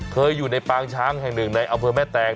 เคยอยู่ในปางช้างแห่งหนึ่งในอำเภอแม่แตง